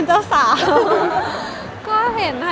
นั่นแหละสิแย่ซีนเจ้าสาว